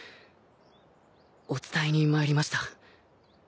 お伝えに参りました。